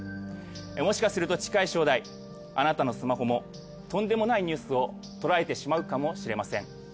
もしかすると近い将来あなたのスマホもとんでもないニュースをとらえてしまうかもしれません。